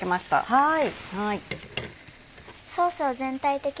はい。